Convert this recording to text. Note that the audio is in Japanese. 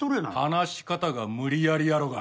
話し方が無理やりやろが。